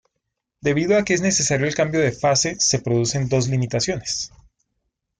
Debido a que es necesario el cambio de fase se producen dos limitaciones.